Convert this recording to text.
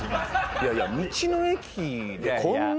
いやいや道の駅でこんな。